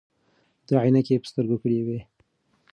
ده عینکې په سترګو کړې وې.